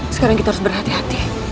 sekarang kita harus berhati hati